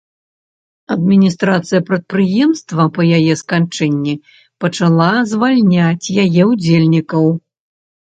Адміністрацыя прадпрыемства па яе сканчэнні пачала звальняць яе ўдзельнікаў.